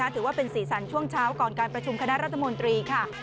ถือว่าเป็นสีสันช่วงเช้าก่อนการประชุมคณะรัฐมนตรีค่ะ